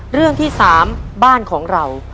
เรื่องที่๓บ้านของเรา